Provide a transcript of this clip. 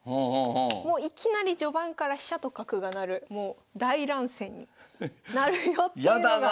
もういきなり序盤から飛車と角が成る大乱戦になるよっていうのが。